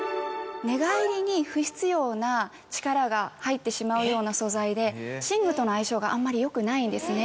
寝返りに不必要な力が入ってしまうような素材で寝具との相性があんまりよくないんですね。